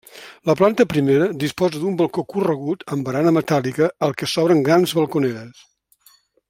La planta primera disposa d'un balcó corregut amb barana metàl·lica al que s'obren grans balconeres.